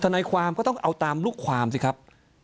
นายความก็ต้องเอาตามลูกความสิครับ